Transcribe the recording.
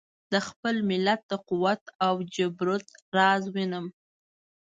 د خپل ملت د قوت او جبروت راز وینم.